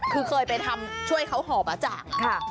คือเคยไปช่วยเขาห่อประจ่าง